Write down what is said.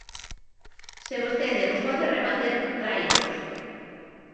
Se vostede os pode rebater, tráiaos.